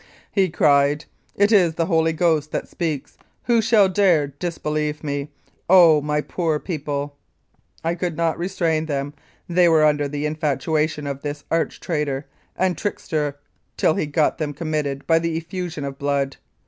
He cried :* It is the Holy Ghost that speaks, who shall dare disbelieve me? ... Oh ! my poor people !' I could not restrain them, they were under the infatuation of this arch traitor and trickster till he got them committed by the effusion of blood.